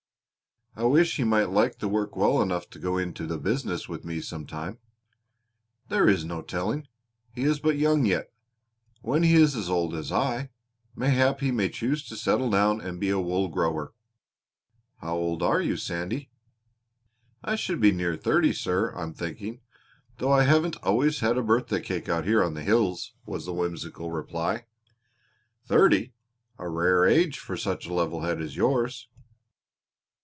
"I wish he might like the work well enough to go into the business with me some time." "There is no telling. He is but young yet. When he is old as I, mayhap he may choose to settle down and be a wool grower." "How old are you, Sandy?" "I should be near thirty, sir, I'm thinking, though I haven't always had a birthday cake out here on the hills," was the whimsical reply. "Thirty! A rare age for such a level head as yours!"